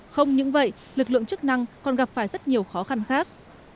không những vậy lực lượng chức năng còn gặp phải rất nhiều khó khăn khác